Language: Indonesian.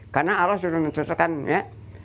karena allah sudah menceritakan ya